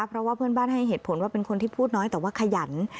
เพราะว่าเพื่อนบ้านให้เหตุผลว่าเป็นคนที่พูดน้อยแต่ว่าขยัน